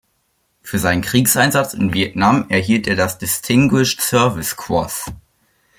Für seinen Kriegseinsatz in Vietnam erhielt er das Distinguished Service Cross.